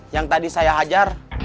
yang tadi saya hajar